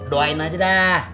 doain aja dah